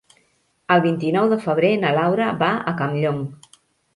El vint-i-nou de febrer na Laura va a Campllong.